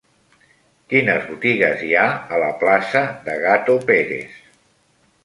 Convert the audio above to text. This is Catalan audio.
Quines botigues hi ha a la plaça de Gato Pérez?